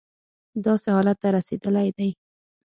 داسې حالت ته رسېدلی دی.